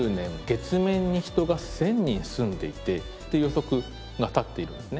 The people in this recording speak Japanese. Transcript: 月面に人が１０００人住んでいてっていう予測が立っているんですね。